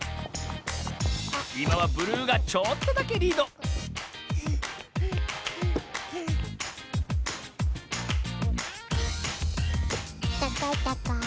いまはブルーがちょっとだけリードたかいたかい。